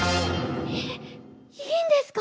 えっいいんですか？